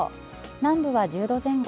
南部は１０度前後